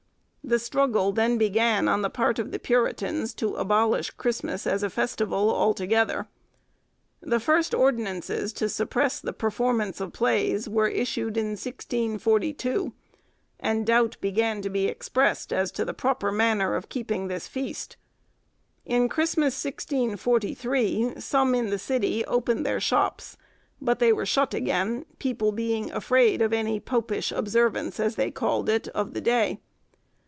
The struggle then began on the part of the Puritans to abolish Christmas as a festival altogether. The first ordinances to suppress the performance of plays were issued in 1642, and doubt began to be expressed as to the proper manner of keeping this feast: in Christmas 1643, some in the city opened their shops, but they were shut again, people being afraid of any popish observance, as they called it, of the day.